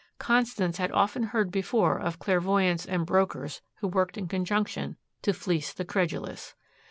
Constance had often heard before of clairvoyants and brokers who worked in conjunction to fleece the credulous.